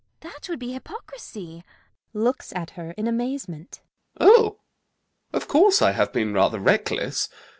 That would be hypocrisy. ALGERNON. [Looks at her in amazement.] Oh! Of course I have been rather reckless.